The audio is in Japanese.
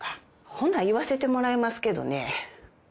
ほな言わせてもらいますけどね